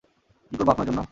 কি করবো আপনার জন্য?